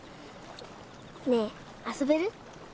ねえ遊べる？